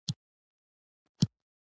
ولې پوکڼۍ پړسیدلې ده؟